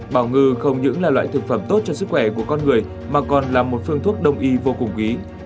bảo ngư không những là loại thực phẩm tốt cho sức khỏe của con người mà còn là một phương thuốc đông y vô cùng quý